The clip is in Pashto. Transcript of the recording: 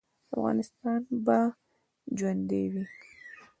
افغانستان به ژوندی وي؟